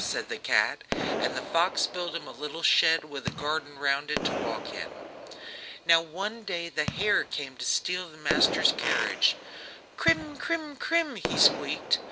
said the cat, and the fox built him a little shed with a garden round it to walk in. Now one day the hare came to steal the man's cabbage. "Kreem kreem kreem!" he squeaked.